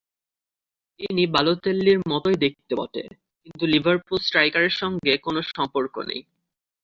ইনি বালোতেল্লির মতোই দেখতে বটে, কিন্তু লিভারপুল স্ট্রাইকারের সঙ্গে কোনো সম্পর্ক নেই।